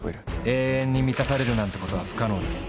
永遠に満たされるなんてことは不可能です。